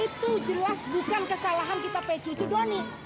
itu jelas bukan kesalahan kita pak cucu doni